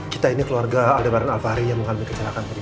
kita ini keluarga aldebaran alfari yang mengalami kecelakaan tadi